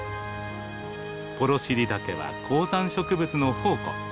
幌尻岳は高山植物の宝庫。